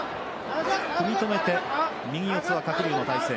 組み止めて右四つは鶴竜の体勢。